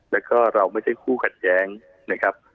แล้วก็เราไม่ใช่คู่ขัดแย้งนะครับ